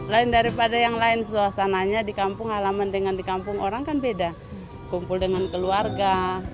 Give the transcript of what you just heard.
lain daripada yang lain suasananya di kampung halaman dengan di kampung orang kan beda kumpul dengan keluarga